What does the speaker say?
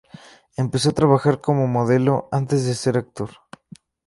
Empezó a trabajar como modelo antes de ser actor.